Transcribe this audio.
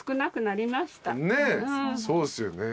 ねっそうですよね。